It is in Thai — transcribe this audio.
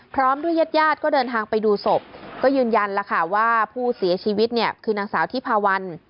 พร้อมด้วยเย็ดยาดก็เดินทางไปดูศพก็ยืนยันว่าผู้เสียชีวิตคือนางสาวที่ภาวัณฑ์